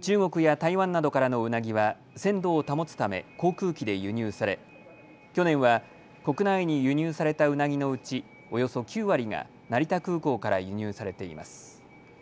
中国や台湾などからのうなぎは鮮度を保つため航空機で輸入され去年は国内に輸入されたうなぎのうちおよそ９割が成田空港から輸入されています。